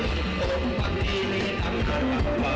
จินน้ำ